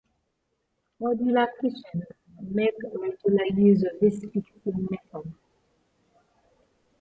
Modular kitchens make regular use of this fixing method.